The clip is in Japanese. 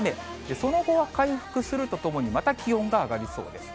その後は回復するとともに、また気温が上がりそうです。